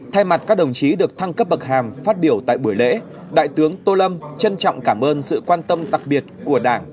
thay mặt các đồng chí được thăng cấp bậc hàm phát biểu tại buổi lễ đại tướng tô lâm trân trọng cảm ơn sự quan tâm đặc biệt của đảng